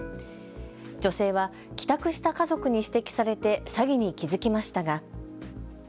女性は帰宅した家族に指摘されて詐欺に気付きましたが。